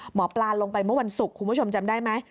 หมอปลาลงไปเมื่อวันศุกร์คุณผู้ชมจำได้ไหม